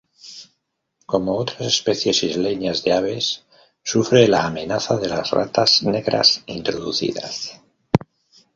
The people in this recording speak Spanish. Como otras especies isleñas de aves sufre la amenaza de las ratas negras introducidas.